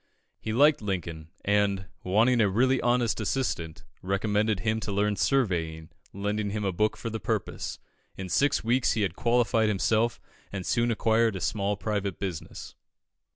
He liked Lincoln, and, wanting a really honest assistant, recommended him to learn surveying, lending him a book for the purpose. In six weeks he had qualified himself, and soon acquired a small private business.